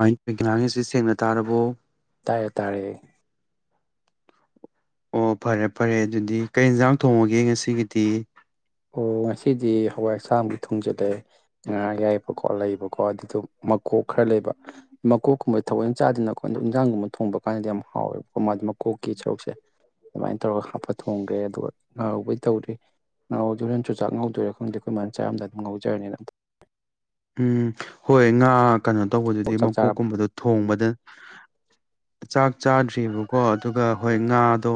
[unintelligible] ꯁꯦꯡꯅ ꯇꯥꯔꯕꯣ ꯇꯥꯔꯦ ꯇꯥꯔꯦ ꯑꯣ ꯐꯔꯦ ꯐꯔꯦ ꯑꯗꯨꯗꯤ ꯀꯩ ꯌꯦꯟꯖꯥꯡ ꯊꯣꯡꯉꯒꯦ ꯉꯁꯤꯒꯤꯗꯤ ꯑꯣ ꯉꯁꯤꯗꯤ ꯍꯋꯥꯏ ꯑꯁꯥꯟꯕꯤ ꯊꯣꯡꯖꯜꯂꯦ ꯉꯥ ꯌꯥꯏꯕꯀꯣ ꯂꯩꯕꯀꯣ ꯑꯗꯨꯗꯣ ꯃꯀꯣꯛ ꯈꯔ ꯂꯩꯕ ꯃꯀꯣꯛꯀꯨꯝꯕ ꯊꯑꯣꯢ ꯆꯥꯗꯦꯅ ꯀꯣ ꯑꯗꯣ ꯏꯟꯖꯥꯡꯒꯨꯝꯕ ꯊꯣꯡꯕ ꯀꯥꯟꯗ ꯌꯥꯝ ꯍꯥꯎꯋꯦꯕꯀꯣ ꯃꯥꯗꯤ ꯃꯀꯣꯛꯀꯤ ꯁꯔꯨꯛꯁꯦ ꯑꯗꯨꯃꯥꯏꯅ ꯇꯧꯔꯒ ꯍꯥꯞꯄ ꯊꯣꯡꯒ꯭ꯔꯦ ꯑꯗꯨꯒ [unintelligible] ꯇꯧꯔꯤ ꯉꯧꯔꯥꯗꯧꯢꯔ ꯆꯨꯖꯥꯛ ꯉꯧꯗꯣꯢꯔ ꯈꯪꯗꯦ ꯑꯩꯈꯣꯏꯃꯥꯅ ꯆꯥꯔꯝꯗꯥꯢ ꯑꯗꯨꯝ ꯉꯧꯖꯔꯅꯤꯅ ꯑ ꯎꯝ ꯍꯣꯏ ꯉꯥ ꯀꯩꯅꯣ ꯇꯧꯕꯗꯨꯗꯤ ꯆꯥꯛ ꯆꯥꯔꯕ ꯃꯀꯣꯛꯀꯨꯝꯕꯗꯣ ꯊꯣꯡꯕꯗ ꯆꯥꯛ ꯆꯥꯗ꯭ꯔꯤꯕꯀꯣ ꯑꯗꯨꯒ ꯍꯣꯏ ꯉꯥꯗꯣ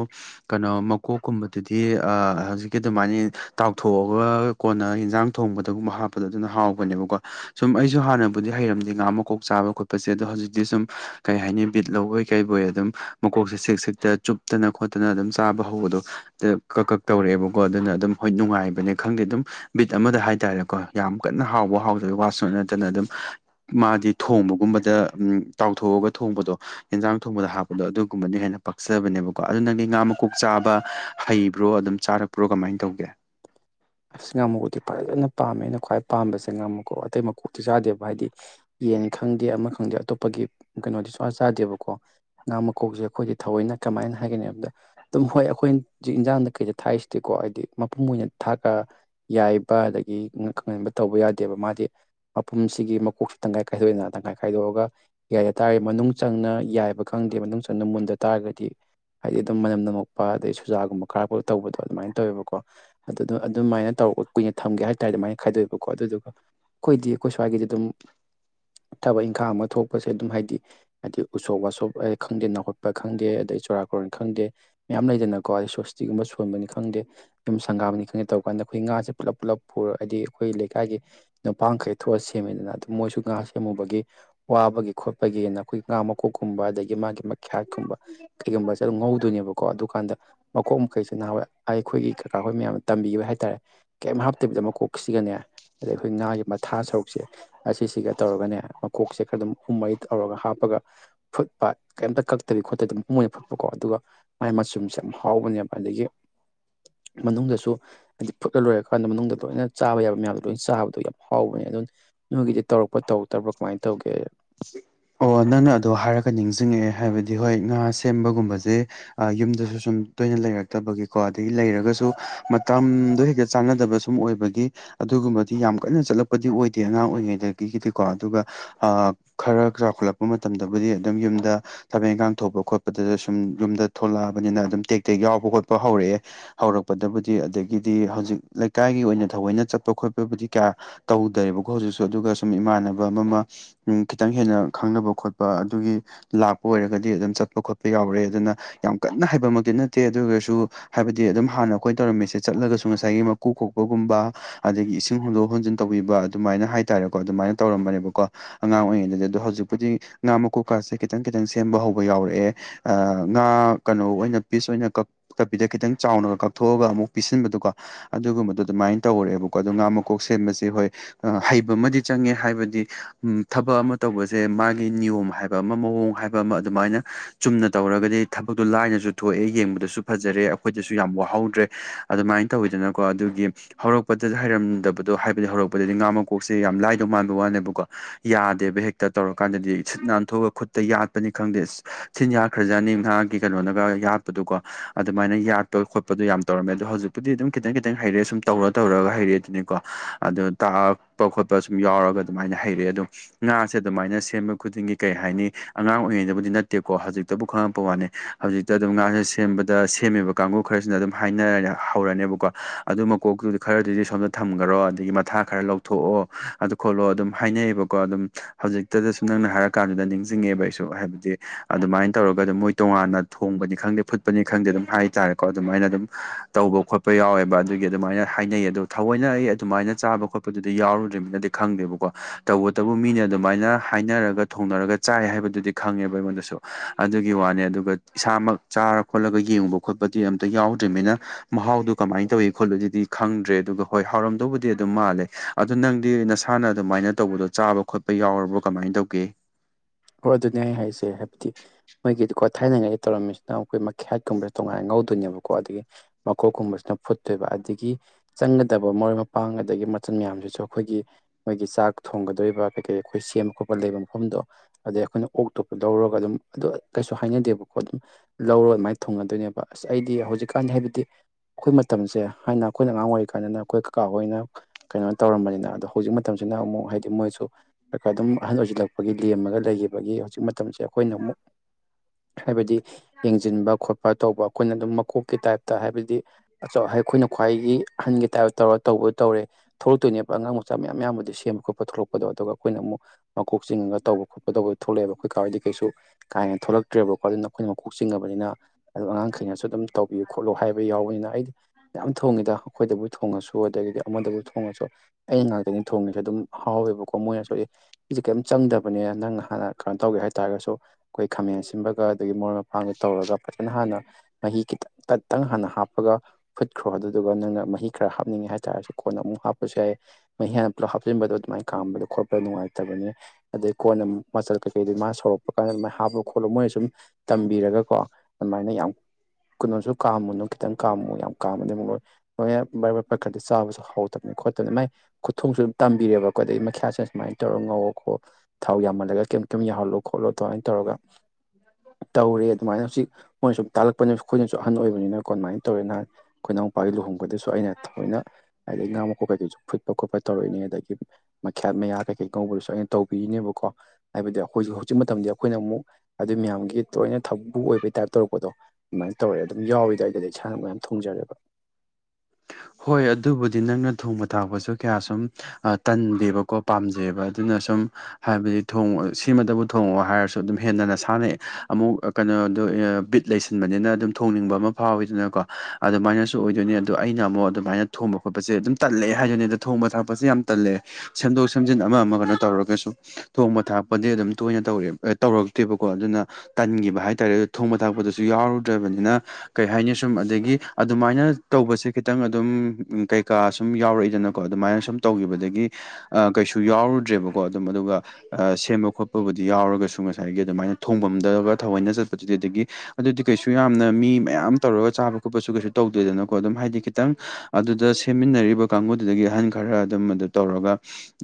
ꯀꯩꯅꯣ ꯃꯀꯣꯛꯀꯨꯝꯕꯗꯨꯗꯤ ꯑ ꯍꯧꯖꯤꯛꯀꯤ ꯑꯗꯨꯃꯥꯏꯅ ꯇꯥꯎꯊꯣꯛꯑꯒ ꯀꯣꯟꯅ ꯌꯦꯟꯖꯥꯡ ꯊꯣꯡꯕꯗꯒꯨꯝꯕ ꯍꯥꯞꯄꯗꯣ ꯑꯗꯨꯅ ꯍꯥꯎꯕꯅꯦꯕꯀꯣ ꯁꯨꯝ ꯑꯩꯁꯨ ꯍꯥꯟꯅꯕꯨꯗꯤ ꯍꯩꯔꯝꯗꯦ ꯉꯥ ꯃꯀꯣꯛ ꯆꯥꯕ ꯈꯣꯠꯄꯁꯦ ꯑꯗꯣ ꯍꯧꯖꯤꯛꯇꯤ ꯁꯨꯝ ꯀꯩ ꯍꯥꯏꯅꯤ ꯕꯤꯠ ꯂꯧꯕꯣꯏ ꯀꯩꯕꯣꯏ ꯑꯗꯨꯝ ꯃꯀꯣꯛꯁꯦ ꯁꯤꯛ ꯁꯤꯛꯇ ꯆꯨꯞꯇꯅ ꯈꯣꯠꯇꯅ ꯑꯗꯨꯝ ꯆꯥꯕ ꯍꯧꯕꯗꯣ ꯀꯛ ꯀꯛ ꯇꯧꯔꯛꯑꯦꯕꯀꯣ ꯑꯗꯨꯅ ꯑꯗꯨꯝ ꯍꯣꯏ ꯅꯨꯡꯉꯥꯏꯕꯅꯦ ꯈꯪꯗꯦ ꯑꯗꯨꯝ ꯕꯤꯠ ꯑꯃꯗ ꯍꯥꯏꯇꯥꯔꯦꯀꯣ ꯌꯥꯝ ꯀꯟꯅ ꯍꯥꯎꯕ ꯍꯥꯎꯗꯕ ꯋꯥ ꯁꯨꯅꯠ ꯅꯠꯇꯅ ꯑꯗꯨꯝ ꯃꯥꯗꯤ ꯊꯣꯡꯕꯒꯨꯝꯕꯗ ꯎꯝ ꯇꯥꯎꯊꯣꯛꯑꯒ ꯊꯣꯡꯕꯗꯣ ꯌꯦꯟꯖꯥꯡ ꯊꯣꯡꯕꯗ ꯍꯥꯞꯄꯗꯣ ꯑꯗꯨꯒꯨꯝꯕꯅ ꯍꯦꯟꯅ ꯄꯥꯛꯆꯕꯅꯦꯕꯀꯣ ꯑꯗꯨ ꯅꯪꯗꯤ ꯉꯥ ꯃꯀꯣꯛ ꯆꯥꯕ ꯍꯩꯕ꯭ꯔꯣ ꯑꯗꯨꯝ ꯆꯥꯔꯛꯄ꯭ꯔꯣ ꯀꯃꯥꯏ ꯇꯧꯒꯦ ꯑꯁ ꯉꯥ ꯃꯀꯣꯛꯇꯤ ꯐꯖꯅ ꯄꯥꯝꯃꯦ ꯑꯩꯅ ꯈ꯭ꯋꯥꯏ ꯄꯥꯝꯕꯁꯦ ꯉꯥ ꯃꯀꯣꯛ ꯑꯇꯩ ꯃꯀꯣꯛꯇꯤ ꯆꯥꯗꯦꯕ ꯍꯥꯏꯗꯤ ꯌꯦꯟꯅꯤ ꯈꯪꯗꯦ ꯑꯃ ꯈꯪꯗꯦ ꯑꯇꯣꯞꯄꯒꯤ ꯀꯩꯅꯣꯗꯤ ꯁꯨꯡꯆꯥ ꯆꯥꯗꯦꯕꯀꯣ ꯉꯥ ꯃꯀꯣꯛꯁꯦ ꯑꯩꯈꯣꯏꯗꯥ ꯊꯑꯣꯏꯅ ꯀꯃꯥꯏꯅ ꯍꯥꯏꯒꯅꯤ ꯍꯥꯏꯕꯗ ꯑꯗꯨꯝ ꯍꯣꯏ ꯑꯩꯈꯣꯏꯅ ꯍꯧꯖꯤꯛ ꯏꯟꯖꯥꯡꯗ ꯀꯩꯗ ꯊꯥꯛꯏꯁꯤꯗꯤꯀꯣ ꯍꯥꯏꯗꯤ ꯃꯄꯨꯝ ꯑꯣꯏꯅ ꯊꯥꯛ ꯑ ꯌꯥꯏꯕ ꯑꯗꯒꯤ [unintelligible] ꯇꯧꯕ ꯌꯥꯗꯦꯕ ꯃꯥꯗꯤ ꯃꯄꯨꯝꯁꯤꯒꯤ ꯃꯀꯣꯛꯁꯤ ꯇꯪꯈꯥꯏ ꯈꯥꯏꯗꯣꯛꯑꯦꯅ ꯇꯪꯈꯥꯏ ꯈꯥꯏꯗꯣꯛꯑꯒ ꯌꯥꯏꯇꯥꯥꯔꯦ ꯃꯅꯨꯡ ꯆꯪꯅ ꯌꯥꯏꯕ ꯈꯪꯗꯦ ꯃꯅꯨꯡ ꯆꯪꯅ ꯃꯨꯟꯗ ꯇꯥꯔꯒꯗꯤ ꯍꯥꯏꯗꯤ ꯑꯗꯨꯝ ꯃꯅꯝ ꯅꯝꯃꯛꯛꯄ ꯑꯗꯩ ꯁꯨꯖꯥꯒꯨꯝꯕ ꯀꯥꯔꯛꯄ ꯇꯧꯕꯗꯣ ꯑꯗꯨꯃꯥꯏꯅ ꯇꯧꯋꯦꯕꯀꯣ ꯗꯣ ꯑꯗꯨꯃꯥꯏꯅ ꯇꯧꯔꯒ ꯀꯨꯏꯅ ꯊꯝꯒꯦ ꯍꯥꯏꯇꯥꯥꯔꯦ ꯑꯗꯨꯃꯥꯏꯅ ꯈꯥꯏꯗꯣꯛꯑꯦꯕꯀꯣ ꯑꯗꯨꯗꯨꯒ ꯈꯣꯏꯗꯤ ꯑꯩꯈꯣꯏ ꯁ꯭ꯋꯥꯏꯒꯤꯗꯤ ꯑꯗꯨꯝ ꯊꯕꯛ ꯏꯪꯈꯥꯡ ꯑꯃ ꯊꯣꯛꯄꯁꯦ ꯑꯗꯨꯝ ꯍꯥꯏꯗꯤ ꯍꯥꯏꯗꯤ ꯎꯁꯣꯞ ꯋꯥꯁꯣꯞ ꯑꯦ ꯈꯪꯗꯦ ꯅꯥꯍꯨꯠ ꯄ ꯈꯪꯗꯦ ꯑꯗꯩ ꯆꯨꯔꯥꯛ ꯀꯣꯔꯣꯟꯅꯤ ꯈꯪꯗꯦ ꯃꯌꯥꯝ ꯂꯩꯗꯅꯀꯣ ꯑꯗꯩ ꯁꯣꯁꯇꯤꯒꯨꯝꯕ ꯁꯣꯟꯕꯅꯤ ꯈꯪꯗꯦ ꯌꯨꯝ ꯁꯪꯒꯥꯕꯅꯤ ꯈꯪ ꯗꯦ ꯇꯧꯀꯥꯟꯗ ꯑꯩꯈꯣꯏ ꯉꯥꯁꯦ ꯄꯨꯂꯞ ꯄꯨꯂꯞ ꯄꯨꯔ ꯍꯥꯏꯗꯤ ꯑꯩꯈꯣꯏ ꯂꯩꯀꯥꯏꯒꯤ ꯅꯨꯄꯥꯡꯈꯩ ꯊꯣꯛꯑ ꯁꯦꯝꯃꯤꯗꯅ ꯑꯗꯨꯝ ꯃꯣꯏꯁꯨ ꯉꯥ ꯁꯦꯝꯃꯨꯕꯒꯤ ꯋꯥꯕꯒꯤ ꯈꯣꯠꯄꯒꯤꯅ ꯑꯩꯈꯣꯏ ꯉꯥ ꯃꯀꯣꯛꯀꯨꯝꯕ ꯑꯗꯒꯤ ꯃꯥꯒꯤ ꯃꯈ꯭ꯌꯥꯠꯀꯨꯝꯕ ꯀꯩꯒꯨꯝꯕꯖꯦ ꯑꯗꯨꯝ ꯉꯧꯗꯣꯏꯅꯦꯕꯀꯣ ꯑꯗꯨꯀꯥꯟꯗ ꯃꯀꯣꯛ ꯃꯈꯩꯁꯤ ꯅꯍꯥꯟꯋꯥꯢ ꯑꯩꯈꯣꯏꯒꯤ ꯀꯀꯥ ꯍꯣꯏ ꯃꯌꯥꯝ ꯇꯝꯕꯤꯕ ꯍꯥꯏꯇꯥꯔꯦ ꯀꯩꯝ ꯍꯥꯞꯇꯕꯤꯗ ꯃꯀꯣꯛꯁꯤꯒꯅꯦ ꯑꯗꯩ ꯑꯩꯈꯣꯏ ꯉꯥꯒꯤ ꯃꯊꯥ ꯁꯔꯨꯛ ꯁꯦ ꯑꯁꯤꯁꯤꯒ ꯇꯧꯔꯒꯅꯦ ꯃꯀꯣꯛꯁꯦ ꯈ ꯑꯗꯨꯝ ꯍꯨꯝꯃꯩ ꯇꯧꯔꯒ ꯍꯥꯞꯄꯒ ꯐꯨꯠꯄ ꯀꯩꯝꯇ ꯀꯛꯇꯗꯤ ꯈꯣꯠꯇꯦ ꯑꯗꯨꯝ ꯃꯣꯏꯅ ꯐꯨꯠꯄꯀꯣ ꯑꯗꯨꯒ ꯃꯥꯏ ꯃꯆꯨꯝꯁꯦ ꯌꯥꯝ ꯍꯥꯎꯕꯅꯦꯕ ꯑꯗꯒꯤ ꯃꯅꯨꯡꯗꯁꯨ ꯍꯥꯏꯗꯤ ꯐꯨꯠꯂ ꯂꯣꯏꯔꯀꯥꯟꯗ ꯃꯅꯨꯡꯗ ꯂꯣꯏꯅ ꯆꯥꯕ ꯌꯥꯕ ꯃꯌꯥꯝꯗꯣ ꯂꯣꯏꯅ ꯆꯥꯕꯗꯣ ꯌꯥꯝ ꯍꯥꯎꯕꯅꯦ ꯑꯗꯨ ꯅꯣꯏꯒꯤꯗꯤ ꯇꯧꯔꯛꯄ ꯇꯧꯔꯛꯇꯕ꯭ꯔꯥ ꯀꯃꯥꯏ ꯇꯧꯒꯦ ꯑꯣ ꯅꯪꯅ ꯑꯗꯣ ꯍꯥꯏꯔꯒ ꯅꯤꯡꯖꯤꯡꯉꯛꯑꯦ ꯍꯥꯏꯕꯗꯤ ꯍꯣꯏ ꯉꯥ ꯁꯦꯝꯕꯒꯨꯝꯕꯖꯦ ꯑ ꯌꯨꯝꯗꯁꯨ ꯁꯨꯝ ꯇꯣꯏꯅ ꯂꯩꯔꯛꯇꯕꯒꯤꯀꯣ ꯑꯗꯒꯤ ꯂꯩꯔꯒꯁꯨ ꯃꯇꯝꯗꯣ ꯍꯦꯛꯇ ꯆꯥꯟꯅꯗꯕ ꯗꯨꯝ ꯑꯣꯏꯕꯒꯤ ꯑꯗꯨꯒꯨꯝꯕꯗꯤ ꯌꯥꯝ ꯀꯟꯅ ꯆꯠꯂꯛꯄꯗꯤ ꯑꯣꯏꯗꯦ ꯑꯉꯥꯡ ꯑꯣꯏꯔꯤꯉꯩꯗꯒꯤꯗꯤꯀꯣ ꯑꯗꯨꯒ ꯑ ꯈꯔ ꯆꯥꯎꯈꯠꯂꯛꯄ ꯃꯇꯝꯗꯕꯨꯗꯤ ꯑꯗꯨꯝ ꯌꯨꯝꯗ ꯊꯕꯛ ꯏꯪꯈꯥꯡ ꯊꯣꯛꯄ ꯈꯣꯠꯄꯗꯗ ꯁꯨꯝ ꯌꯨꯝꯗ ꯊꯣꯛꯂꯛꯑꯕꯅꯤꯅ ꯑꯗꯨꯝ ꯇꯦꯛꯇꯦꯛ ꯌꯥꯎꯕ ꯈꯣꯠꯄ ꯍꯧꯔꯛꯑꯦ ꯍꯧꯔꯛꯄꯗꯕꯨꯗꯤ ꯑꯗꯒꯤꯗꯤ ꯍꯧꯖꯤꯛ ꯂꯩꯀꯥꯏꯒꯤ ꯑꯣꯏꯅ ꯊꯑꯣꯏꯅ ꯆꯠꯄ ꯈꯣꯠꯄꯕꯨꯗꯤ ꯀꯌꯥ ꯇꯧꯗꯔꯦꯕꯀꯣ ꯍꯧꯖꯤꯛꯁꯨ ꯑꯗꯨꯒ ꯁꯨꯝ ꯏꯃꯥꯟꯅꯕ ꯑꯃ ꯑꯃ ꯎꯝ ꯈꯤꯇꯪ ꯍꯦꯟꯅ ꯈꯪꯅꯕ ꯈꯣꯠꯄ ꯑꯗꯨꯒꯤ ꯂꯥꯛꯄ ꯑꯣꯏꯔꯒꯗꯤ ꯑꯗꯨꯝ ꯆꯠꯄ ꯈꯣꯠꯄ ꯌꯥꯎꯔꯦ ꯑꯗꯨꯅ ꯌꯥꯝ ꯀꯟꯅ ꯍꯩꯕꯃꯛꯇꯤ ꯅꯠꯇꯦ ꯑꯗꯨꯑꯣꯏꯒꯁꯨ ꯍꯥꯏꯕꯗꯤ ꯑꯗꯨꯝ ꯍꯥꯟꯅ ꯑꯈꯣꯏ ꯇꯧꯔꯝꯃꯤꯁꯦ ꯆꯠꯂꯒꯁꯨ ꯉꯁꯥꯏꯒꯤ ꯃꯀꯨ ꯈꯣꯛꯄꯒꯨꯝꯕ ꯑꯗꯒꯤ ꯏꯁꯤꯡ ꯍꯣꯟꯗꯣꯛ ꯍꯣꯟꯖꯤꯟ ꯇꯧꯕꯤꯕ ꯑꯗꯨꯃꯥꯏꯅ ꯍꯥꯏꯇꯥꯔꯦꯀꯣ ꯑꯗꯨꯃꯥꯏꯅ ꯇꯧꯔꯝꯕꯅꯦꯕꯀꯣ ꯑꯉꯥꯡ ꯑꯣꯏꯉꯩꯗꯗꯤ ꯑꯗꯣ ꯍꯧꯖꯤꯛꯄꯨꯗꯤ ꯉꯥ ꯃꯀꯣꯛꯀꯥꯁꯦ ꯈꯤꯇꯪ ꯈꯤꯇꯪ ꯁꯦꯝꯕ ꯍꯧꯕ ꯌꯥꯎꯔꯛꯑꯦ ꯑꯥ ꯉꯥ ꯀꯩꯅꯣ ꯑꯣꯏꯅ ꯄꯤꯁ ꯑꯣꯏꯅ ꯀꯛ ꯇꯕꯤꯗ ꯈꯤꯇꯪ ꯆꯥꯎꯅꯒ ꯀꯛꯊꯣꯛꯑꯒ ꯑꯃꯨꯛ ꯄꯤꯁꯤꯟꯕꯗꯨꯀꯣ ꯑꯗꯨꯒꯨꯝꯕꯗꯣ ꯑꯗꯨꯃꯥꯏꯟ ꯇꯧꯔꯛꯑꯦꯕꯀꯣ ꯑꯗꯣ ꯉꯥ ꯃꯀꯣꯛ ꯁꯦ ꯝꯕꯁꯦ ꯍꯣꯏ ꯍꯩꯕ ꯑꯃꯗꯤ ꯆꯪꯉꯦ ꯍꯥꯏꯕꯗꯤ ꯎꯝ ꯊꯕꯛ ꯑꯃ ꯇꯧꯕ ꯁꯦ ꯃꯥꯒꯤ ꯅꯤꯌꯣꯝ ꯍꯥꯏꯕ ꯑꯃ ꯃꯑꯣꯡ ꯍꯥꯏꯕ ꯑꯃ ꯑꯗꯨꯃꯥꯏꯅ ꯆꯨꯝꯅ ꯇꯧꯔꯒꯗꯤ ꯊꯕꯛꯇꯣ ꯂꯥꯏꯅꯖꯨ ꯊꯣꯛꯑꯦ ꯌꯦꯡꯕꯗꯁꯨ ꯐꯖꯔꯦ ꯑꯈꯣꯏꯗꯁꯨ ꯌꯥꯝ ꯋꯥꯍꯧꯗ꯭ꯔꯦ ꯑꯗꯨꯃꯥꯏꯅ ꯇꯧꯋꯤꯗꯅꯀꯣ ꯑꯗꯨꯒꯤ ꯍꯧꯔꯛꯄꯗ ꯍꯩꯔꯝꯗꯕꯗꯣ ꯍꯥꯏꯕꯗꯤ ꯍꯧꯔꯛꯄꯗꯗꯤ ꯉꯥ ꯃꯀꯣꯛꯁꯦ ꯌꯥꯝ ꯂꯥꯏꯗꯧ ꯃꯥꯟꯕ ꯋꯥꯅꯦꯕꯀꯣ ꯌꯥꯗꯦꯕ ꯍꯦꯛ ꯇ ꯇꯧꯔꯀꯥꯟꯗꯗꯤ ꯁꯤꯠ ꯅꯥꯟꯊꯣꯛꯑꯥ ꯈꯨꯠꯇ ꯌꯥꯠꯄꯅꯤ ꯈꯪꯗꯦ ꯁꯤꯁ ꯊꯤꯟ ꯌꯥꯠꯈ꯭ꯔꯖꯥꯅꯤ ꯉꯥꯒꯤ ꯀꯩꯅꯣꯅꯒ ꯌꯥꯠ ꯄꯗꯨꯀꯣ ꯑꯗꯨꯃꯥꯏꯅ ꯌꯥꯠꯄ ꯈꯣꯠꯄꯗꯨ ꯌꯥꯝ ꯇꯧꯔꯝꯃꯦ ꯑꯗꯨ ꯍꯧꯖꯤꯛꯄꯨꯗꯤ ꯑꯗꯨꯝ ꯈꯤꯇꯪ ꯈꯤꯇꯪ ꯍꯩꯔꯦ ꯁꯨꯝ ꯇꯧꯔ ꯇꯧꯔꯒ ꯍꯩꯔꯦ ꯑꯗꯨꯅꯦ ꯀꯣ ꯑꯗꯨ ꯇꯥꯛꯄ ꯈꯣꯠꯄ ꯁꯨꯝ ꯌꯥꯎꯔꯒ ꯑꯗꯨꯃꯥꯏꯅ ꯍꯩꯔꯦ ꯑꯗꯨꯝ ꯉꯥ ꯁꯦ ꯑꯗꯨꯃꯥꯏꯅ ꯁꯦꯝꯕ ꯈꯨꯗꯤꯡꯒꯤ ꯀꯩ ꯍꯥꯏꯅꯤ ꯑꯉꯥꯡ ꯑꯣꯏꯔꯤꯉꯩꯗꯕꯨꯗꯤ ꯅꯠꯇꯦꯀꯣ ꯍꯖꯤꯛꯇꯕꯨ ꯈꯪꯉꯛꯄ ꯋꯥꯅꯦ ꯍꯧꯖꯤꯛꯇ ꯑꯗꯨꯝ ꯉꯥꯁꯦ ꯁꯦꯝꯕꯗ ꯁꯦꯝꯃꯤꯕ ꯀꯥꯡꯕꯨ ꯈꯔꯁꯤꯅ ꯑꯗꯨꯝ ꯍꯥꯏꯅꯔ ꯍꯧꯔꯅꯦꯕꯀꯣ ꯑꯗꯨ ꯃꯀꯣꯛꯇꯨꯗꯤ ꯈꯔꯗꯨꯗꯤ ꯁꯣꯝꯗ ꯊꯝꯒ꯭ꯔꯣ ꯑꯗꯒꯤ ꯃꯊꯥ ꯈꯔ ꯂꯧ ꯊꯣꯛꯑꯣ ꯑꯗꯨ ꯈꯣꯠꯂꯣ ꯑꯗꯨꯝ ꯍꯥꯏꯅꯩꯌꯦꯕꯀꯣ ꯑꯗꯨꯝ ꯍꯧꯖꯤꯛꯇꯗ ꯁꯨ ꯅꯪꯅ ꯍꯥꯏꯔ ꯀꯥꯟꯗꯨꯗ ꯅꯤꯡꯁꯤꯡꯉꯦꯕ ꯑꯩꯁꯨ ꯍꯥꯏꯕꯗꯤ ꯑꯗꯨꯃꯥꯏꯟ ꯇꯧꯔꯒ ꯑꯗꯨꯝ ꯃꯣꯏ ꯇꯣꯉꯥꯟꯅ ꯊꯣꯡꯕꯅꯤ ꯈꯪꯗꯦ ꯐꯨꯠꯄꯅꯤ ꯈꯪꯗꯦ ꯑꯗꯨꯝ ꯍꯥꯏꯇꯥꯔꯦꯀꯣ ꯑꯗꯨꯃꯥꯏꯅ ꯑꯗꯨꯝ ꯇꯧꯕ ꯈꯣꯠꯄ ꯌꯥꯎꯋꯦꯕ ꯑꯗꯨꯒꯤ ꯑꯗꯨꯃꯥꯏꯅ ꯍꯥꯏꯅꯩꯌꯦ ꯑꯗꯨ ꯊꯧꯑꯣꯏꯅ ꯑꯩ ꯑꯗꯨꯃꯥꯏꯅ ꯆꯥꯕ ꯈꯣꯠꯄꯗꯨꯗꯤ ꯌꯥꯎꯔꯨꯗ꯭ꯔꯤꯝꯅꯤꯅꯗꯤ ꯈꯪꯗꯦꯕꯀꯣ ꯇꯧꯕꯇꯕꯨ ꯃꯤꯅ ꯑꯗꯨꯃꯥꯏꯅ ꯍꯥꯏꯅꯔꯒ ꯊꯣꯡꯅꯔꯒ ꯆꯥꯏ ꯍꯥꯏꯕꯗꯨꯗꯤ ꯈꯪꯉꯦꯕ ꯑꯩꯉꯣꯟꯗꯁꯨ ꯑꯗꯨꯒꯤ ꯋꯥꯅꯤ ꯑꯗꯨꯒ ꯏꯁꯥꯃꯛ ꯆꯥꯔ ꯈꯣꯠꯂꯒ ꯌꯦꯡꯉꯨꯕ ꯈꯣꯠꯄꯗꯤ ꯑꯝꯇ ꯌꯥꯎꯗ꯭ꯔꯤꯃꯤꯅ ꯃꯍꯥꯎꯗꯨ ꯀꯃꯥꯏ ꯇꯧꯏ ꯈꯣꯠꯂꯤꯗꯨꯗꯤ ꯈꯪꯗ꯭ꯔꯦ ꯑꯗꯨꯒ ꯍꯣꯏ ꯍꯥꯎꯔꯝꯗꯧꯕꯨꯗꯤ ꯑꯗꯨꯝ ꯃꯥꯜꯂꯦ ꯑꯗꯨ ꯅꯪꯗꯤ ꯅꯁꯥꯅ ꯑꯗꯨꯃꯥꯏꯅ ꯇꯧꯕꯗꯣ ꯆꯥꯕ ꯈꯣꯠ ꯌꯥꯎꯔꯕ꯭ꯔꯣ ꯀꯃꯥꯏ ꯇꯧꯒꯦ ꯍꯣ ꯑꯗꯨꯅꯦ ꯑꯩ ꯍꯥꯏꯁꯦ ꯍꯥꯏꯕꯗꯤ ꯃꯣꯏꯒꯤꯗꯤꯀꯣ ꯊꯥꯏꯅꯉꯩ ꯇꯧꯔꯝꯃꯤꯁꯤꯅ ꯑꯈꯣꯏ ꯃꯈ꯭ꯌꯥꯠꯀꯨꯝꯕ ꯇꯣꯉꯥꯟ ꯉꯧꯗꯣꯏꯅꯦꯕꯀꯣ ꯑꯗꯒꯤ ꯃꯀꯣꯛꯀꯨꯝꯕꯁꯤꯅ ꯐꯨꯠꯇꯣꯏꯕ ꯑꯗꯒꯤ ꯆꯪꯒꯗꯕ ꯃꯔꯣꯏ ꯃꯄꯥꯡ ꯑꯗꯒꯤ ꯃꯆꯜ ꯃꯌꯥꯝꯁꯤꯁꯨ ꯑꯈꯣꯏꯒꯤ ꯃꯣꯏꯒꯤ ꯆꯥꯛ ꯊꯣꯡꯒꯗꯣꯔꯤꯕ ꯀꯩ ꯀꯩ ꯑꯈꯣꯏ ꯁꯦꯝꯕ ꯈꯣꯠꯄ ꯂꯩꯕ ꯃꯐꯝꯗꯣ ꯑꯗꯩ ꯑꯩꯈꯣꯏꯅ ꯑꯣꯛ ꯊꯣꯡꯕ ꯂꯧꯔꯒ ꯑꯗꯨꯝ ꯑꯗꯨ ꯀꯩꯁꯨ ꯍꯥꯏꯅꯗꯦꯕꯀꯣ ꯑꯗꯨꯝ ꯂꯧꯔꯣ ꯑꯗꯨꯃꯥꯏꯅ ꯊꯣꯡꯅꯗꯣꯏꯅꯦꯕ ꯑꯁ ꯑꯩꯗꯤ ꯍꯧꯖꯤꯛꯀꯥꯟꯖꯤ ꯍꯥꯏꯕꯗꯤ ꯑꯈꯣꯏ ꯃꯇꯝꯁꯦ ꯊꯥꯏꯅ ꯑꯈꯣꯏꯅ ꯑꯉꯥꯡ ꯑꯣꯏꯔꯤ ꯀꯥꯟꯗꯅ ꯑꯩꯈꯣꯏ ꯀꯀꯥ ꯍꯣꯏꯅ ꯀꯩꯅꯣ ꯇꯧꯔꯝꯕꯅꯤꯅ ꯑꯗꯣ ꯍꯧꯖꯤꯛ ꯃꯇꯝꯁꯤꯅ ꯑꯃꯨꯛ ꯍꯥꯏꯗꯤ ꯃꯣꯏꯁꯨ ꯈꯥ ꯈꯔ ꯑꯗꯨꯝ ꯑꯍꯟ ꯑꯣꯏꯖꯤꯜꯂꯛꯄꯒꯤ ꯂꯦꯝꯃꯒ ꯂꯩꯒꯤꯕꯒꯤ ꯍꯧꯖꯤꯛ ꯃꯇꯝꯁꯦ ꯑꯈꯣꯏꯅ ꯑꯃꯨꯛ ꯍꯥꯏꯕꯗꯤ ꯌꯦꯡꯖꯤꯟꯕ ꯈꯣꯠꯄ ꯇꯧꯕ ꯑꯈꯣꯏꯅ ꯑꯗꯨꯝ ꯃꯀꯣꯛꯀꯤ ꯇꯥꯏꯞꯇ ꯍꯥꯏꯕꯗꯤ ꯑꯆꯧ ꯍꯥꯢ ꯑꯈꯣꯏꯅ ꯈ꯭ꯋꯥꯏꯒꯤ ꯑꯍꯟꯒꯤ ꯇꯥꯏꯞ ꯇꯧꯔ ꯇꯧꯕ ꯇꯧꯔꯦ ꯊꯣꯛꯂꯛꯇꯣꯏꯅꯦꯕ ꯑꯉꯥꯡ ꯃꯆꯥ ꯃꯌꯥꯝ ꯃꯌꯥꯝꯕꯗꯤ ꯁꯦꯝꯕ ꯈꯣꯠꯄ ꯊꯣꯛꯂꯛꯄꯗꯣ ꯑꯗꯨꯒ ꯑꯩꯈꯣꯏꯅ ꯑꯃꯨꯛ ꯃꯀꯣꯛ ꯆꯤꯡꯉꯒ ꯇꯧꯕ ꯑꯗꯨ ꯇꯧꯕꯩ ꯊꯣꯛꯂꯛꯑꯦꯕ ꯑꯈꯣꯏ ꯀꯀꯥ ꯍꯣꯏꯗꯤ ꯀꯩꯁꯨ ꯀꯥ ꯍꯦꯟꯅ ꯊꯣꯛꯂꯛꯇ꯭ꯔꯦꯕꯀꯣ ꯑꯗꯨꯅ ꯑꯩꯈꯣꯏꯅ ꯃꯀꯣꯛ ꯆꯤꯡꯉꯕꯅꯤꯅ ꯑꯗꯨ ꯑꯉꯥꯡꯈꯩꯅꯁꯨ ꯑꯗꯨꯝ ꯇꯧꯕꯤꯌꯨ ꯈꯣꯠꯂꯨ ꯍꯥꯏꯕ ꯌꯥꯎꯕꯅꯤꯅ ꯑꯩꯗꯤ ꯌꯥꯝ ꯊꯣꯡꯉꯤꯗ ꯑꯩꯈꯣꯏꯗꯕꯨ ꯊꯣꯡꯉꯁꯨ ꯁꯨ ꯑꯗꯒꯤꯗꯤ ꯑꯃꯗꯕꯨ ꯊꯣꯡꯉꯁꯨ ꯑꯩꯅ ꯉꯥꯛꯇꯅꯤ ꯊꯣꯡꯉꯤꯁꯦ ꯑꯗꯨꯝ ꯍꯥꯎꯋꯦꯕꯀꯣ ꯃꯣꯏꯅꯁꯨ ꯑꯦ ꯍꯧꯖꯤꯛ ꯀꯩꯝ ꯆꯪꯗꯕꯅꯦ ꯅꯪꯅ ꯍꯥꯟꯅ ꯀꯩꯅꯣ ꯇꯧꯋꯤ ꯍꯥꯏꯇꯥꯔꯒꯁꯨ ꯑꯈꯣꯏ ꯈꯥꯃꯦꯟ ꯁꯤꯟꯕꯒ ꯑꯗꯒꯤ ꯃꯔꯣꯏ ꯃꯄꯥꯡꯒ ꯇꯧꯔꯒ ꯐꯖꯅ ꯍꯥꯟꯅ ꯃꯍꯤ ꯈꯤꯇꯪ ꯇꯠꯇꯪ ꯍꯥꯟꯅ ꯍꯥꯞꯄꯒ ꯐꯨꯠꯈ꯭ꯔꯣ ꯑꯗꯨꯗꯨꯒ ꯅꯪꯅ ꯃꯍꯤ ꯈꯔ ꯍꯥꯞꯅꯤꯡꯉꯤ ꯍꯥꯏꯇꯥꯔꯁꯨ ꯀꯣꯟꯅ ꯑꯃꯨꯛ ꯍꯥꯞꯄꯁꯨ ꯌꯥꯏ ꯃꯍꯤ ꯍꯥꯟꯅ ꯄꯨꯜꯂꯞ ꯍꯥꯞꯆꯤꯟꯕꯗꯣ ꯑꯗꯨꯃꯥꯏ ꯀꯥꯝꯕꯗꯣ ꯈꯣꯠꯄꯗ ꯅꯨꯡꯉꯥꯏꯇꯕꯅꯤ ꯑꯗꯩ ꯀꯣꯟꯅ ꯃꯆꯜ ꯀꯩꯀꯩꯗꯨ ꯃꯥꯅ ꯁꯧꯔꯛꯄ ꯀꯥꯟꯗ ꯑꯗꯨꯃꯥꯏ ꯍꯥꯄꯣ ꯈꯣꯠꯂꯣ ꯃꯣꯏꯅ ꯁꯨꯝ ꯇꯝꯕꯤꯔꯒꯀꯣ ꯑꯗꯨꯃꯥꯏꯅ ꯌꯥꯝ ꯀꯨꯢꯅꯣꯁꯨ ꯀꯥꯝꯃꯨꯅꯣ ꯈꯤꯇꯪ ꯀꯥꯝꯃꯨ ꯌꯥꯝ ꯀꯥꯝꯃꯗꯤ ꯑꯃꯨꯛ ꯂꯣꯢ ꯂꯣꯏꯅ ꯕ꯭ꯔ ꯕ꯭ꯔ ꯄꯠꯈ꯭ꯔꯗꯤ ꯆꯥꯕꯁꯨ ꯍꯧꯇꯕꯅꯤ ꯈꯣꯠꯇꯕꯅꯤ ꯃꯥꯏ ꯈꯨꯊꯣꯡꯁꯨ ꯗꯨꯝ ꯇꯝꯕꯤꯔꯦꯕꯀꯣ ꯑꯗꯩ ꯃꯈ꯭ꯌꯥꯠꯁꯦ ꯁꯨꯃꯥꯏꯅ ꯇꯧꯔ ꯉꯧꯔꯣ ꯈꯣꯠꯂꯣ ꯊꯥꯎ ꯌꯥꯝꯃꯜꯂꯒ ꯀꯦꯝ ꯀꯦꯝ ꯌꯥꯎꯍꯜꯂꯣ ꯈꯣꯠꯂꯣ ꯑꯗꯨꯃꯥꯏ ꯇꯧꯔꯒ ꯇꯧꯔꯦ ꯑꯗꯨꯃꯥꯏꯅ ꯍꯧꯖꯤꯛ ꯃꯣꯏ ꯁꯨꯝ ꯇꯥꯛꯂꯛꯄꯅꯤꯅ ꯑꯩꯈꯣꯏꯅꯁꯨ ꯑꯍꯟ ꯑꯣꯏꯕꯅꯤꯅ ꯀꯣ ꯑꯗꯨꯃꯥꯏꯅ ꯇꯧꯔꯦ ꯅꯍꯥꯟ ꯑꯩꯈꯣꯏ ꯢꯅꯥꯎꯄꯥꯒꯤ ꯂꯨꯍꯣꯡꯕꯗꯁꯨ ꯑꯩꯅ ꯊꯑꯣꯏꯅ ꯍꯥꯏꯗꯤ ꯉꯥ ꯀꯣꯛ ꯀꯩꯀꯩꯁꯨ ꯐꯨꯠꯄ ꯈꯣꯠꯄ ꯇꯧꯔꯤꯅꯤ ꯑꯗꯒꯤ ꯃꯈꯤꯌꯥꯠ ꯃꯌꯥ ꯀꯩꯀꯩ ꯉꯧꯕꯁꯨ ꯑꯩꯅ ꯇꯧꯕꯤꯔꯤꯅꯦꯕꯀꯣ ꯍꯥꯏꯕꯗꯤ ꯑꯩꯈꯣꯏꯁꯨ ꯍꯧꯖꯤꯛ ꯃꯇꯝꯗꯤ ꯑꯩꯈꯣꯏꯅ ꯑꯃꯨꯛ ꯑꯗꯨ ꯃꯌꯥꯝꯒꯤ ꯂꯣꯏꯅ ꯊꯧꯕꯨ ꯑꯣꯏꯕꯩ ꯇꯥꯏꯞ ꯇꯧꯔꯛꯄꯗꯣ ꯑꯗꯨꯃꯥꯏꯅ ꯇꯧꯔꯛꯑꯦ ꯑꯗꯨꯝ ꯌꯥꯎꯋꯤꯗ [unintelligible] ꯏꯁꯥꯅ ꯃꯌꯥꯝ ꯊꯣꯡꯖꯔꯦꯕ ꯍꯣꯏ ꯑꯗꯨꯕꯨꯗꯤ ꯅꯪꯅ ꯊꯣꯡꯕ ꯊꯥꯛꯄꯁꯨ ꯀꯌꯥ ꯁꯨꯝ ꯑꯥ ꯇꯟꯗꯦꯕꯀꯣ ꯄꯥꯝꯖꯩꯌꯦꯕ ꯑꯗꯨꯅ ꯁꯨꯝ ꯍꯥꯏꯕꯗꯤ ꯊꯣꯡꯉꯣ ꯁꯤꯃꯗꯕꯨ ꯊꯣꯡꯉꯛꯑꯣ ꯍꯥꯏꯔꯁꯨ ꯑꯗꯨꯝ ꯍꯦꯟꯅ ꯅꯁꯥꯅ ꯑꯃꯨꯛ ꯀꯩꯅꯣꯗꯣ ꯑꯥ ꯕꯤꯠ ꯂꯩꯁꯤꯟꯕꯅꯤꯅ ꯑꯗꯨꯝ ꯊꯣꯡꯅꯤꯡꯕ ꯑꯃ ꯐꯥꯎꯋꯤꯗꯅꯀꯣ ꯑꯗꯨꯃꯥꯏꯅꯁꯨ ꯑꯣꯏꯗꯣꯏꯅꯦ ꯑꯗꯣ ꯑꯩ ꯌꯥꯃꯣ ꯑꯗꯨꯃꯥꯏꯅ ꯊꯣꯡꯕ ꯈꯣꯠꯄꯁꯦ ꯑꯗꯨꯝ ꯇꯜꯂꯦ ꯍꯥꯏꯗꯨꯅꯤ ꯑꯗ ꯊꯣꯡꯕ ꯊꯥꯛꯄꯁꯦ ꯌꯥꯝ ꯇꯜꯂꯦ ꯁꯦꯝꯗꯣꯛ ꯁꯦꯝꯖꯤꯟ ꯑꯃ ꯑꯃ ꯀꯩꯅꯣ ꯇꯧꯔꯒꯁꯨ ꯊꯣꯡꯕ ꯊꯥꯛꯄꯗꯤ ꯑꯗꯨꯝ ꯇꯣꯏꯅ ꯇꯧꯔꯛꯑꯦ ꯑ ꯇꯧꯔꯛꯇꯦꯕꯀꯣ ꯑꯗꯨꯅ ꯇꯟꯒꯤꯕ ꯍꯥꯏꯇꯥꯔꯦ ꯑꯗꯨ ꯊꯣꯡꯕ ꯊꯥꯛꯄꯗꯁꯨ ꯌꯥꯎꯔꯨꯗ꯭ꯔꯕꯅꯤꯅ ꯀꯩ ꯍꯥꯏꯅꯤ ꯁꯨꯝ ꯑꯗꯒꯤ ꯑꯗꯨꯃꯥꯏꯅ ꯇꯧꯕꯁꯦ ꯈꯤꯇꯪ ꯑꯗꯨꯝ ꯎꯝ ꯀꯩꯀꯥ ꯁꯨꯝ ꯌꯥꯎꯔꯛꯏꯗꯅꯀꯣ ꯑꯗꯨꯃꯥꯏꯅ ꯁꯨꯝ ꯇꯧꯒꯤꯕꯗꯒꯤ ꯑꯥ ꯀꯩꯁꯨ ꯌꯥꯎꯔꯨꯗ꯭ꯔꯦꯕꯀꯣ ꯑꯗꯨꯝ ꯑꯗꯨꯒ ꯑꯥ ꯁꯦꯝꯕ ꯈꯣꯠꯄꯕꯨꯗꯤ ꯌꯥꯎꯔꯒꯁꯨ ꯉꯁꯥꯏꯒꯤ ꯑꯗꯨꯃꯥꯏꯅ ꯊꯣꯡꯕꯝꯗꯒ ꯊꯑꯣꯏꯅ ꯆꯠꯄꯗꯨꯗꯤ ꯑꯗꯒꯤ ꯑꯗꯨꯗꯤ ꯀꯩꯁꯨ ꯌꯥꯝꯅ ꯃꯤ ꯃꯌꯥꯝ ꯇꯧꯔꯒ ꯆꯥꯕ ꯈꯣꯠꯄꯁꯨ ꯀꯩꯁꯨ ꯇꯧꯗꯦꯗꯅꯀꯣ ꯑꯗꯨꯝ ꯍꯥꯏꯗꯤ ꯈꯤ ꯇꯪ ꯑꯗꯨꯗ ꯁꯦꯝꯃꯤꯟꯅꯔꯤꯕ ꯀꯥꯡꯕꯨꯗꯨꯗꯒꯤ ꯑꯍꯟ ꯈꯔ ꯑꯗꯨꯝ ꯑꯗꯨ ꯇꯧꯔꯒ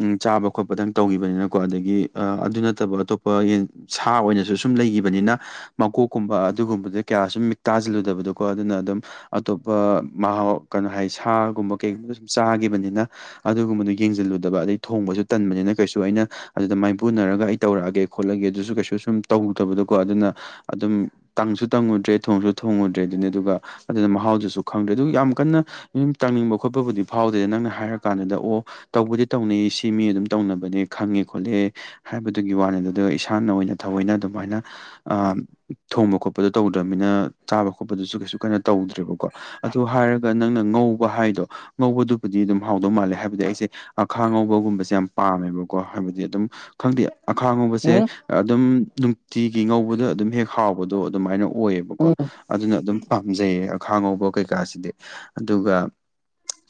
ꯎꯝ ꯆꯥꯕ ꯈꯣꯠꯄꯗꯪ ꯇꯧꯈꯤꯕꯅꯤꯅꯀꯣ ꯑꯗꯒꯤ ꯑꯥ ꯑꯗꯨ ꯅꯠꯇꯕ ꯑꯇꯣꯞꯄ ꯌꯦꯟ ꯐꯥ ꯑꯣꯏꯅꯖꯨ ꯁꯨꯝ ꯂꯩꯒꯤꯕꯅꯤꯅ ꯃꯀꯣꯛꯀꯨꯝꯕ ꯑꯗꯨꯒꯨꯝꯕꯗꯣ ꯀꯌꯥ ꯁꯨꯝ ꯃꯤꯠ ꯇꯥꯖꯤꯜꯂꯨꯗꯕꯗꯣꯀꯣ ꯑꯗꯨꯅ ꯑꯗꯨꯝ ꯑꯇꯣꯞꯄ ꯃꯍꯥꯎ ꯀꯩꯅꯣ ꯍꯥꯏ ꯁꯥꯒꯨꯝꯕ ꯀꯩꯒꯨꯝꯕ ꯁꯨꯝ ꯆꯥꯒꯤꯕꯅꯤꯅ ꯑꯗꯨꯒꯨꯝꯕꯗꯨ ꯌꯦꯡꯖꯜꯂꯨꯗꯕ ꯑꯗꯩ ꯊꯣꯡꯕꯖꯨ ꯇꯟꯕꯅꯤꯅ ꯀꯩꯁꯨ ꯑꯩꯅ ꯑꯗꯨꯗ ꯃꯥꯏꯄꯨꯅꯔꯒ ꯑꯩ ꯇꯧꯔꯛꯑꯒꯦ ꯈꯣꯠꯂꯒꯦ ꯑꯗꯨꯖꯨ ꯀꯩꯁꯨ ꯁꯨꯝ ꯇꯧꯗꯕꯗꯣꯀꯣ ꯑꯗꯨꯅ ꯑꯗꯨꯝ ꯇꯪꯁꯨ ꯇꯪꯉꯨꯗ꯭ꯔꯦ ꯊꯣꯡꯁꯨ ꯊꯣꯡꯉꯨꯗ꯭ꯔꯦ ꯑꯗꯨꯅꯤ ꯑꯗꯨꯒ ꯑꯗꯨꯅ ꯃꯍꯥꯎꯗꯨꯁꯨ ꯈꯪꯗꯦ ꯑꯗꯨꯒꯤ ꯌꯥꯝ ꯀꯟꯅ ꯎꯝ ꯇꯪꯅꯤꯡꯕ ꯈꯣꯠꯄꯕꯨꯗꯤ ꯐꯥꯎꯗꯦ ꯅꯪꯅ ꯍꯥꯏꯔ ꯀꯥꯟꯗꯨꯗ ꯑꯣ ꯇꯧꯕꯨꯗꯤ ꯇꯧꯅꯤꯡꯉꯤ ꯁꯤ ꯃꯤ ꯑꯗꯨꯝ ꯇꯧꯅꯕꯅꯦ ꯈꯪꯉꯦ ꯈꯣꯠꯂꯦ ꯍꯥꯏꯕꯗꯨꯒꯤ ꯋꯥꯅꯤꯗ ꯑꯗꯨ ꯏꯁꯥꯅ ꯑꯣꯏꯅ ꯊꯑꯣꯏꯅ ꯑꯗꯨꯃꯥꯏꯅ ꯑꯥ ꯊꯣꯡꯕ ꯈꯣꯠꯄꯗꯣ ꯇꯧꯗ꯭ꯔꯕꯃꯤꯅ ꯆꯥꯕ ꯈꯣꯠꯄꯗꯨꯁꯨ ꯀꯩꯁꯨ ꯀꯟꯅ ꯇꯧꯗ꯭ꯔꯦꯕꯀꯣ ꯑꯗꯨ ꯍꯥꯏꯔꯒ ꯅꯪꯅ ꯉꯧꯕ ꯍꯥꯏꯗꯣ ꯉꯧꯕꯗꯨꯕꯨꯗꯤ ꯑꯗꯨꯝ ꯍꯥꯎꯗꯧ ꯃꯥꯜꯂꯦ ꯍꯥꯏꯕꯗꯤ ꯑꯩꯁꯦ ꯑꯈꯥ ꯉꯧꯕꯒꯨꯝꯕꯁꯦ ꯌꯥꯝ ꯄꯥꯝꯃꯦꯕꯀꯣ ꯍꯥꯏꯕꯗꯤ ꯑꯗꯨꯝ ꯈꯪꯗꯦ ꯑꯈꯥ ꯉꯧꯕꯁꯦ ꯎꯝ ꯑꯗꯨꯝ ꯅꯨꯡꯇꯤꯒꯤ ꯉꯧꯕꯗ ꯑꯗꯨꯝ ꯍꯦꯛ ꯍꯥꯎꯕꯗꯣ ꯑꯗꯨꯃꯥꯏꯅ ꯑꯣꯏꯌꯦ ꯕꯀꯣ ꯎꯝ ꯑꯗꯨꯅ ꯑꯗꯨꯝ ꯄꯥꯝꯖꯩꯌꯦ ꯑꯈꯥ ꯉꯧꯕ ꯀꯩꯀꯥꯁꯤꯗꯤ ꯑꯗꯨꯒ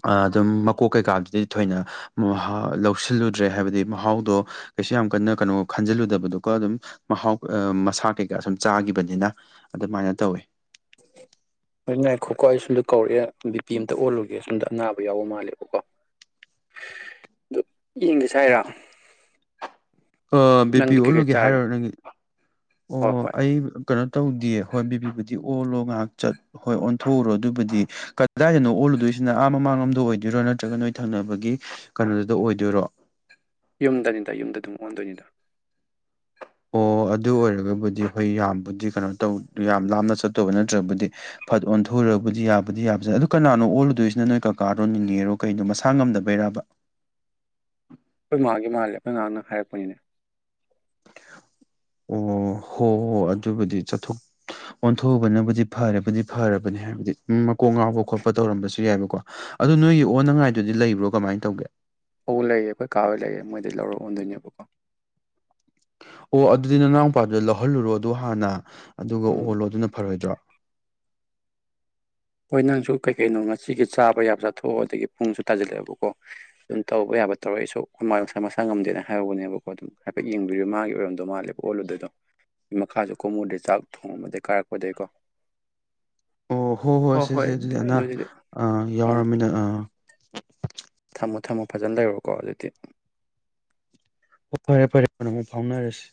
ꯑꯥ ꯑꯗꯨꯝ ꯃꯀꯣꯛ ꯀꯩꯀꯥꯗꯨꯗꯤ ꯊꯣꯏꯅ ꯃꯍꯥ ꯂꯧꯁꯤꯜꯂꯨꯗ꯭ꯔꯦ ꯍꯥꯏꯕꯗꯤ ꯃꯍꯥꯎꯗꯣ ꯀꯩꯁꯨ ꯌꯥꯝ ꯀꯟꯅ ꯀꯅꯣ ꯈꯟꯖꯟꯂꯨꯗꯕꯗꯣꯀꯣ ꯑꯗꯨꯝ ꯃꯍꯥꯎ ꯑꯥ ꯃꯁꯥ ꯀꯩꯀꯥ ꯁꯨꯝ ꯆꯥꯒꯤꯕꯅꯤꯅ ꯑꯗꯨꯃꯥꯏꯅ ꯇꯧꯋꯦ ꯍꯣꯏ ꯉꯥꯏꯈꯣꯀꯣ ꯑꯩ ꯁꯨꯟꯗ ꯀꯧꯔꯛꯑꯦ ꯕꯤ ꯄꯤ ꯑꯝꯇ ꯑꯣꯜꯂꯨꯒꯦ ꯁꯨꯝꯗ ꯑꯅꯥꯕ ꯌꯥꯎꯕ ꯃꯥꯜꯂꯦꯕꯀꯣ ꯑꯗꯨ ꯌꯦꯟꯒ ꯆꯥꯏꯔ ꯑꯥ ꯕꯤ ꯄꯤ ꯑꯣꯜꯂꯨꯒꯦ ꯍꯥꯏꯔꯣ ꯆꯥꯔꯒꯦ ꯅꯪꯒꯤ ꯍꯣꯏ ꯑꯣ ꯍꯣꯏ ꯑꯩ ꯀꯩꯅꯣ ꯇꯧꯗꯤꯌꯦ ꯍꯣꯏ ꯕꯤ ꯄꯤꯕꯨꯗꯤ ꯑꯣꯜꯂꯣ ꯉꯥꯍꯥꯛ ꯆꯠ ꯍꯣꯏ ꯑꯣꯟꯊꯣꯛꯎꯔꯣ ꯑꯗꯨꯕꯨꯗꯤ ꯀꯗꯥꯏꯗꯅꯣ ꯑꯣꯜꯂꯨꯗꯨꯏꯁꯤꯅ ꯑꯥ ꯃꯃꯥꯡꯂꯣꯝꯗ ꯑꯣꯏꯗꯣꯏꯔꯣ ꯅꯠꯇ꯭ꯔꯒ ꯅꯣꯏ ꯊꯪꯅꯕꯒꯤ ꯀꯅꯣꯗꯨꯗ ꯑꯣꯏꯗꯣꯏꯔꯣ ꯌꯨꯝꯗꯅꯤꯗ ꯌꯨꯝꯗ ꯑꯗꯨꯝ ꯑꯣꯟꯗꯣꯏꯅꯤꯗ ꯑꯣ ꯑꯗꯨ ꯑꯣꯏꯔꯒꯕꯨꯗꯤ ꯍꯣꯏ ꯌꯥꯝꯕꯨꯗꯤ ꯀꯩꯅꯣ ꯇꯧ ꯌꯥꯝ ꯂꯥꯞꯅ ꯆꯠꯇꯧꯕ ꯅꯠꯇ꯭ꯔꯕꯨꯗꯤ ꯐꯠ ꯑꯣꯟꯊꯣꯛꯎꯔꯕꯨꯗꯤ ꯌꯥꯕꯨꯗꯤ ꯌꯥꯕꯖ ꯑꯗꯨ ꯀꯅꯥꯅꯣ ꯑꯣꯜꯂꯨꯗꯣꯏꯁꯤꯅ ꯅꯣꯏ ꯀꯀꯥꯔꯣ ꯅꯤꯅꯦꯔꯣ ꯀꯩꯅꯣ ꯃꯁꯥ ꯉꯝꯗꯕꯩꯔꯕ ꯈꯣꯏ ꯃꯥꯒꯤ ꯃꯥꯜꯂꯦ ꯑꯈꯣꯏ ꯃꯥꯅ ꯍꯥꯏꯔꯛꯄꯅꯤꯅꯦ ꯑꯣ ꯍꯣ ꯍꯣ ꯑꯗꯨꯕꯨꯗꯤ ꯆꯠꯊꯣꯛ ꯑꯣꯟꯊꯣꯛꯎꯕꯅꯕꯨꯗꯤ ꯐꯔꯕꯨꯗꯤ ꯐꯔꯕꯅꯦ ꯍꯥꯏꯕꯗꯤ ꯃꯀꯣꯛ ꯉꯥꯎꯕ ꯈꯣꯠꯄ ꯇꯧꯔꯝꯕꯁꯨ ꯌꯥꯏꯕꯀꯣ ꯑꯗꯨ ꯅꯣꯏꯒꯤ ꯑꯣꯟꯅꯉꯥꯏꯗꯨꯗꯤ ꯂꯩꯕ꯭ꯔꯣ ꯀꯃꯥꯏ ꯇꯧꯒꯦ ꯑꯧ ꯂꯩꯌꯦ ꯑꯈꯣꯏ ꯀꯥꯍꯣꯏ ꯂꯩꯌꯦ ꯃꯣꯏꯗꯩ ꯂꯧꯔ ꯑꯣꯟꯗꯣꯏꯅꯦꯕꯀꯣ ꯑꯣ ꯑꯗꯨꯗꯤ ꯅꯅꯥꯎ ꯄꯥꯗ ꯂꯧꯍꯜꯂꯨꯔꯣ ꯑꯗꯣ ꯍꯥꯟꯅ ꯑꯗꯨꯒ ꯎꯝ ꯑꯣꯜꯂꯣ ꯑꯗꯨꯅ ꯐꯔꯣꯏꯗ꯭ꯔꯣ ꯍꯣꯏ ꯅꯪꯁꯨ ꯀꯩ ꯀꯩꯅꯣ ꯉꯁꯤꯒꯤ ꯆꯥꯕ ꯌꯥꯕ ꯆꯥꯊꯣꯛꯑꯣ ꯑꯗꯒꯤ ꯄꯨꯡꯁꯨ ꯇꯥꯖꯤꯜꯂꯛꯑꯦꯕꯀꯣ ꯑꯗꯨꯝ ꯇꯧꯕ ꯌꯥꯕ ꯇꯧꯔ ꯑꯩꯁꯨ ꯑꯈꯣꯏꯃꯥ ꯉꯁꯥꯏ ꯃꯁꯥ ꯉꯝꯗꯦꯅ ꯍꯥꯏꯍꯧꯕꯅꯦꯕꯀꯣ ꯑꯗꯨꯝ ꯍꯥꯏꯐꯦꯠ ꯌꯦꯡꯕꯤꯔꯨ ꯃꯥꯒꯤ ꯑꯣꯏꯔꯝꯗꯧ ꯃꯥꯜꯂꯦꯕ ꯑꯣꯜꯂꯨꯗꯣꯏꯗꯣ ꯃꯈꯥꯖꯨ ꯀꯨꯝꯃꯨꯗ꯭ꯔꯦ ꯆꯥꯛ ꯊꯣꯡꯉꯝꯕꯗꯩ ꯀꯥꯔꯛꯄꯗꯩꯀꯣ ꯑꯣ ꯍꯣꯏ ꯍꯣꯏ ꯁꯦꯁꯦ ꯑꯗꯨꯗꯤ ꯑꯅꯥ ꯑ ꯎꯝ ꯌꯥꯎꯔꯝꯃꯤꯅ ꯑꯥ ꯊꯝꯃꯣ ꯊꯝꯃꯣ ꯐꯖꯟ ꯂꯩꯔꯣꯀꯣ ꯑꯗꯨꯗꯤ ꯑꯣ ꯐꯔꯦ ꯐꯔꯦ ꯀꯣꯟꯅ ꯑꯃꯨꯛ ꯑꯃꯨꯛ ꯐꯥꯎꯅꯔꯁꯤ